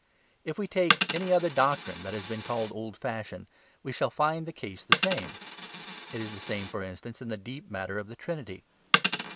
If we take any other doctrine that has been called old fashioned we shall find the case the same. It is the same, for instance, in the deep matter of the Trinity.